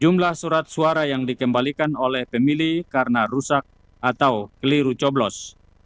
jumlah surat suara yang dikembalikan oleh pemilih karena rusak atau keliru coblos